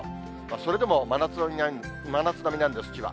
それでも真夏並みなんです、千葉。